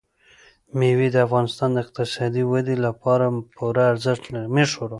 مېوې د افغانستان د اقتصادي ودې لپاره پوره ارزښت لري.